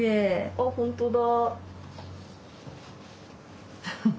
あっ本当だ。